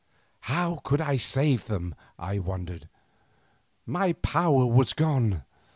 How could I save them, I wondered. My power was gone.